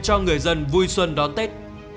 cho người dân vui xuân đón tết